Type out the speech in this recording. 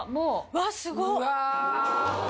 わっすごっ！